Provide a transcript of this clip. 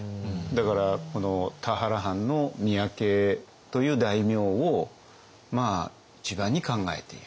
だからこの田原藩の三宅という大名を一番に考えている。